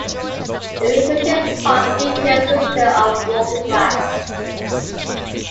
The recreation park features a system of walking tracks.